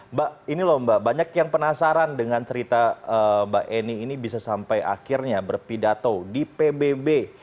mbak ini loh mbak banyak yang penasaran dengan cerita mbak eni ini bisa sampai akhirnya berpidato di pbb